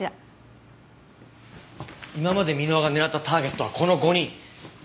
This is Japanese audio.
今まで箕輪が狙ったターゲットはこの５人。